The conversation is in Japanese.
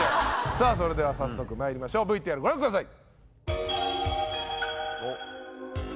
さあそれでは早速参りましょうＶＴＲご覧ください。